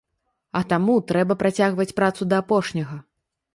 А таму трэба працягваць працу да апошняга.